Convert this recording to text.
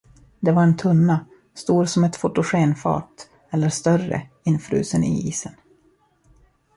Det var en tunna, stor som ett fotogenfat, eller större, infrusen i isen.